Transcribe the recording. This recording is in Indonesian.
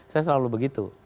saya selalu begitu